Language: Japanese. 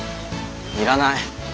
要らない。